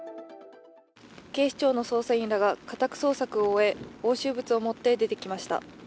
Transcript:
警視庁の捜査員らが家宅捜索を終え押収物を持って、出てきました。